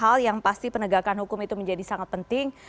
hal yang pasti penegakan hukum itu menjadi sangat penting